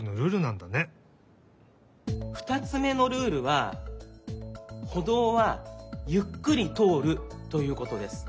２つめのルールはほどうはゆっくりとおるということです。